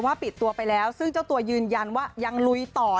ปิดตัวไปแล้วซึ่งเจ้าตัวยืนยันว่ายังลุยต่อ